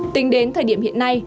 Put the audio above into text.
tính đến thời điểm hiện nay